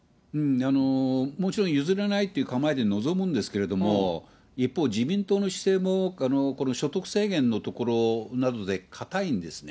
もちろん譲れないという構えで臨むんですけれども、一方、自民党の姿勢も所得制限のところなどで固いんですね。